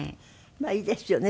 まあいいですよね